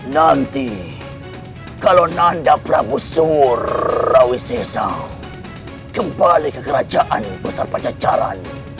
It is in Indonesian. nanti kalau nanda prabu surawi seja kembali ke kerajaan besar pancacaran